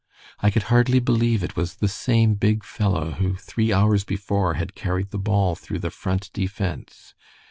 I could hardly believe it was the same big fellow who three hours before had carried the ball through the Front defense.